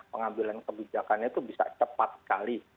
pengambilan kebijakannya itu bisa cepat sekali